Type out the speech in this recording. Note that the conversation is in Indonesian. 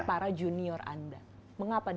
para junior anda mengapa